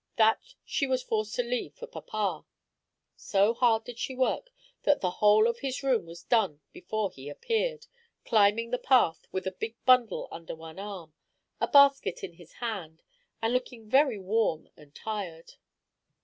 That she was forced to leave for papa. So hard did she work that the whole of his room was done before he appeared, climbing the path, with a big bundle under one arm, a basket in his hand, and looking very warm and tired.